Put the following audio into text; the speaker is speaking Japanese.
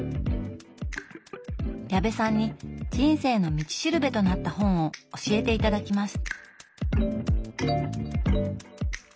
矢部さんに人生の道しるべとなった本を教えて頂きます。